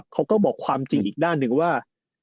เขาก็บอกความจริงอีกด้านหนึ่งว่า